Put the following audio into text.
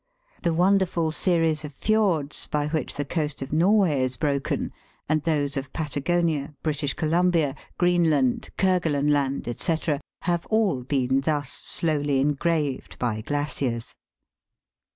The wonderful series of fjords by which the coast of Norway is broken, and those of Patagonia, British Columbia, Greenland, Kerguelen Land, &c., have all been thus slowly engraved by glaciers.